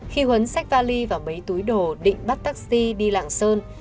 khi huấn xách vali vào mấy túi đồ định bắt taxi đi lạng sơn